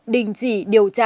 định trị điều tra